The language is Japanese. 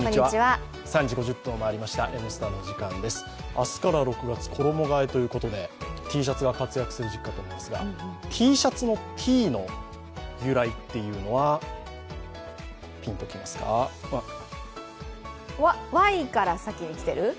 明日から６月、衣替えということでＴシャツが活躍する時期となりますが、ＴシャツのＴの由来というのはＹから先に来てる？